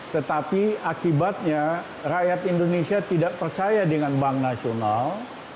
tetapi akibatnya rakyat indonesia tidak percaya dengan bank nasional